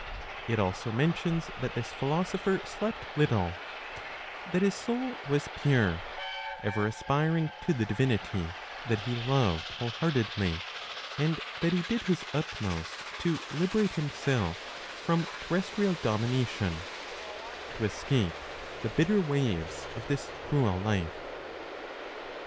It also mentions that this philosopher slept little, that his soul was pure, ever aspiring to the divinity that he loved whole heartedly, and that he did his utmost to liberate himself (from terrestrial domination) "to escape the bitter waves of this cruel life."